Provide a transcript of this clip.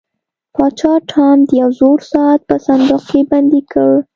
پاچا ټام د یو زوړ ساعت په صندوق کې بندي کړ.